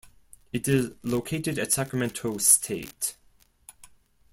It is located at Sacramento State.